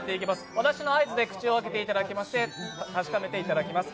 私の合図で口を開けていただき確かめていただきます。